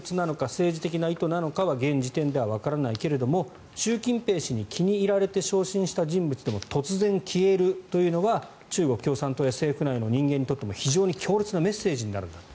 政治的な意図なのかは現時点ではわからないけれども習近平氏に気に入られて昇進した人物でも突然消えるというのが中国共産党や政府内の人間にとっても非常に強烈なメッセージになるんだと。